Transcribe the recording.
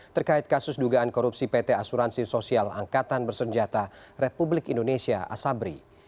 terkait kasus dugaan korupsi pt asuransi sosial angkatan bersenjata republik indonesia asabri